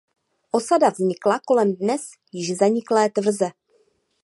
Osada vznikla kolem dnes již zaniklé tvrze.